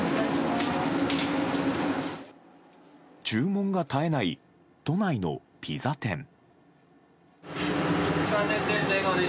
注文が絶えない都内のピザ店。